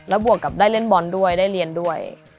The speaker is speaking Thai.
บวกกับได้เล่นบอลด้วยได้เรียนด้วย